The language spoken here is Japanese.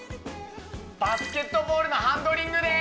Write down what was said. バスケットボールのハンドリングです